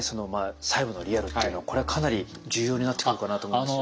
細部のリアルっていうのをこれはかなり重要になってくるかなと思うんですけど。